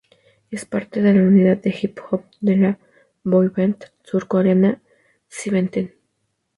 Es parte de la unidad de hip hop de la "boy band" surcoreana Seventeen.